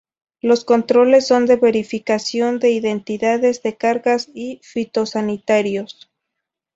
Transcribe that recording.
Los controles son de verificación de identidades, de cargas y fitosanitarios.